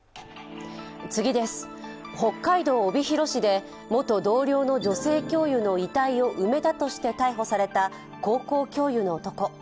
北海道帯広市で元同僚の女性教諭の遺体を埋めたとして逮捕された高校教諭の男。